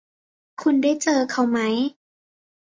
คุณได้เจอเขาไหม